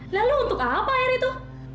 lalu untuk apa air itu